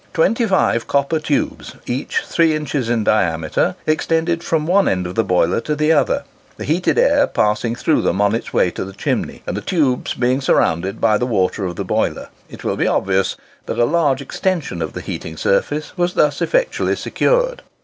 Twenty five copper tubes, each three inches in diameter, extended from one end of the boiler to the other, the heated air passing through them on its way to the chimney; and the tubes being surrounded by the water of the boiler, it will be obvious that a large extension of the heating surface was thus effectually secured.